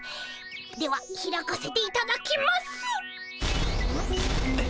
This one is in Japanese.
では開かせていただきます。